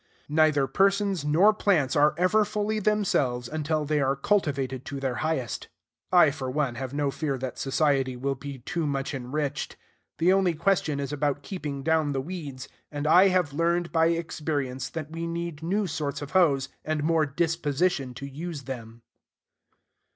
Neither persons nor plants are ever fully themselves until they are cultivated to their highest. I, for one, have no fear that society will be too much enriched. The only question is about keeping down the weeds; and I have learned by experience, that we need new sorts of hoes, and more disposition to use them.